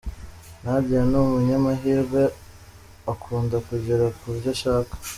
Nadia ni umunyamahirwe, akunda kugera ku byo ashaka.